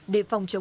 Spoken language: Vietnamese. đề phòng chống